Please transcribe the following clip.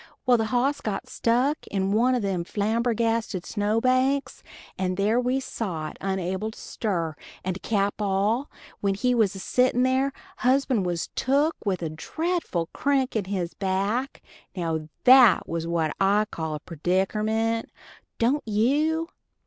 Well, the hoss got stuck in one o' them are flambergasted snow banks, and there we sot, onable to stir, and to cap all, while we was a sittin' there, husband was took with a dretful crik in his back. Now that was what I call a perdickerment, don't you?